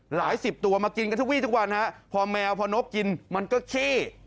สิบตัวมากินกันทุกวีทุกวันฮะพอแมวพอนกกินมันก็ขี้